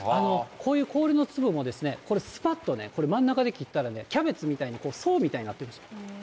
こういう氷の粒も、これ、すぱっとね、真ん中で切ったらね、キャベツみたいに層みたいになってるんです。